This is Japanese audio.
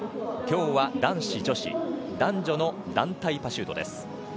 きょうは男子、女子男女の団体パシュートです。